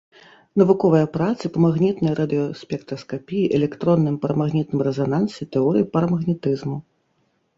Навуковыя працы па магнітнай радыёспектраскапіі, электронным парамагнітным рэзанансе, тэорыі парамагнетызму.